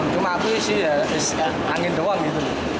cuma aku sih ya angin doang gitu